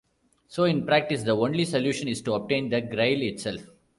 So, in practice, the only solution is to obtain the grille itself.